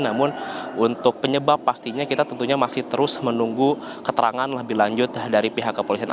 namun untuk penyebab pastinya kita tentunya masih terus menunggu keterangan lebih lanjut dari pihak kepolisian